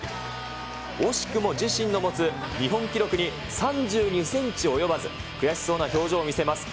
惜しくも自身の持つ日本記録に３２センチ及ばず、悔しそうな表情を見せます。